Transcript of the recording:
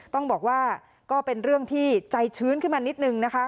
ต้องบอกว่าก็เป็นเรื่องที่ใจชื้นขึ้นมานิดนึงนะคะ